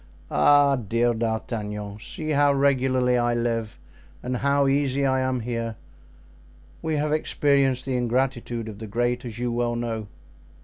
"Ah! dear D'Artagnan! see how regularly I live and how easy I am here. We have experienced the ingratitude of 'the great,' as you well know."